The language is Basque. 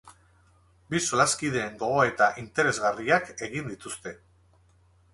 Bi solaskideen gogoeta interesgarriak egin dituzte.